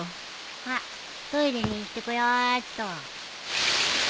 あっトイレに行ってこよっと。